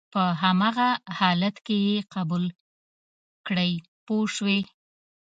په هماغه حالت کې یې قبول کړئ پوه شوې!.